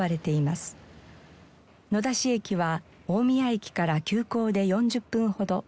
野田市駅は大宮駅から急行で４０分ほど。